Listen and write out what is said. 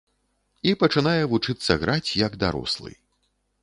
І пачынае вучыцца граць, як дарослы.